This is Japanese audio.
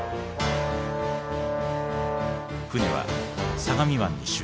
船は相模湾に集結。